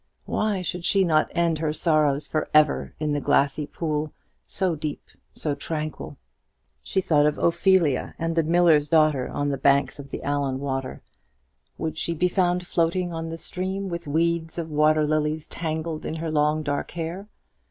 Why should she not end her sorrows for ever in the glassy pool, so deep, so tranquil? She thought of Ophelia, and the miller's daughter on the banks of Allan Water. Would she be found floating on the stream, with weeds of water lilies tangled in her long dark hair?